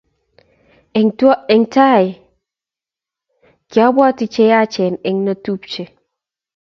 eng tai kyabwoti cheyachen eng notupche